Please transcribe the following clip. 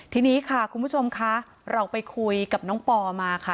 ทีนี้ค่ะคุณผู้ชมค่ะเราไปคุยกับน้องปอมาค่ะ